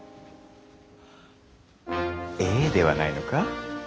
「エー」ではないのか？